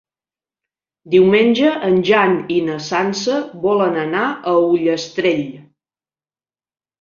Diumenge en Jan i na Sança volen anar a Ullastrell.